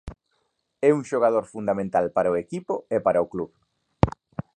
É un xogador fundamental para o equipo e para o club.